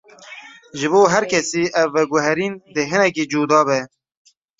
Ji bo her kesî, ev veguherîn dê hinekî cuda be.